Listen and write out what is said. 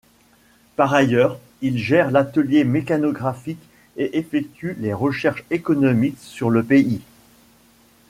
Par ailleurs, il gère l'atelier mécanographique et effectue les recherches économiques sur le pays.